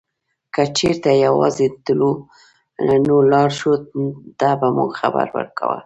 که چېرته یوازې تلو نو لارښود ته به مو خبر ورکاوه.